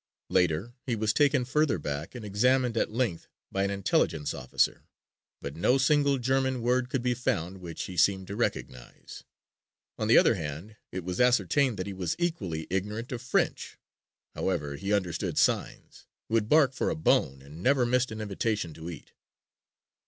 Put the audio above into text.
Later he was taken further back and examined at length by an intelligence officer but no single German word could be found which he seemed to recognize. On the other hand it was ascertained that he was equally ignorant of French. However, he understood signs, would bark for a bone and never missed an invitation to eat.